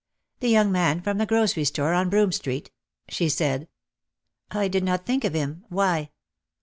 "The young man from the grocery store on Broome Street," she said. "I did not think of him. Why?"